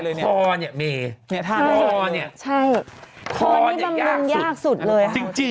คอนี่บำรุงยากสุดเลย